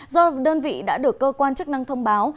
do đơn vị đã được cơ quan chức năng thông báo